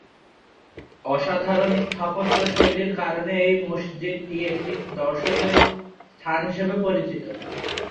অসাধারণ স্থাপত্যশৈলীর কারণে এই মসজিদটি একটি দর্শনীয় স্থান হিসেবে পরিচিত।